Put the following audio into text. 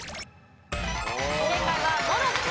正解はモロッコ。